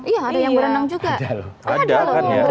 iya ada yang berenang juga